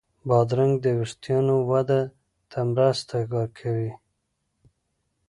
بادرنګ د وېښتانو وده ته مرسته کوي.